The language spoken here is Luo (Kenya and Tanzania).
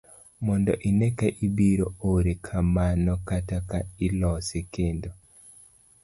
mondo ine ka ibiro ore kamano kata ka ilose kendo